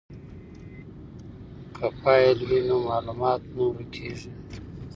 که فایل وي نو معلومات نه ورکیږي.